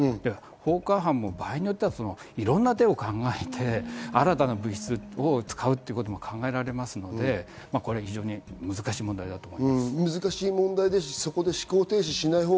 放火犯も場合によってはいろんな手を考えて新たな物質を使うっていうことも考えられますので、非常に難しい問題だと思います。